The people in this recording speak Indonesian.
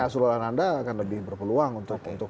keseluruhan anda akan lebih berpeluang untuk